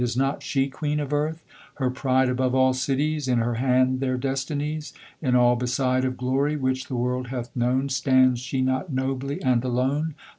Is not she queen of Earth? her pride Above all cities? in her hand Their destinies? in all beside Of glory which the world hath known Stands she not nobly and alone?